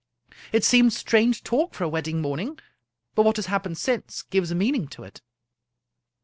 It seemed strange talk for a wedding morning, but what has happened since gives a meaning to it."